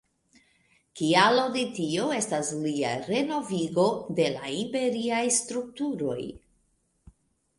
Kialo de tio estis lia renovigo de la imperiaj strukturoj.